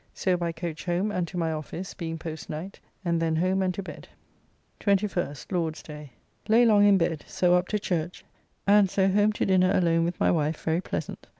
So by coach home and to my office, being post night, and then home and to bed. 21st (Lord's day). Lay long in bed, so up to Church, and so home to dinner alone with my wife very pleasant.